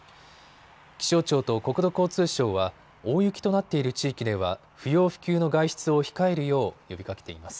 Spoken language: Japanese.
気象庁と国土交通省は大雪となっている地域では不要不急の外出を控えるよう呼びかけています。